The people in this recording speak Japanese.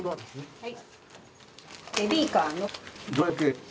はい。